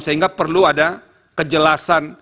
sehingga perlu ada kejelasan